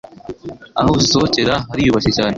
aho zisohokera hariyubashye cyane